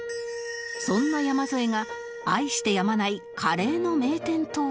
そんな山添が愛してやまないカレーの名店とは？